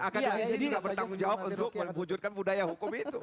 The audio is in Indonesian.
akademi tidak bertanggung jawab untuk mewujudkan budaya hukum itu